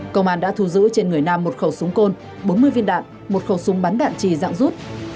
công an đã thu giữ trên người nam một khẩu súng côn bốn mươi viên đạn một khẩu súng bắn đạn trì dạng rút